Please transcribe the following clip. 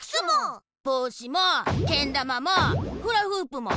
ぼうしもけんだまもフラフープも。